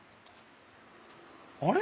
あれ？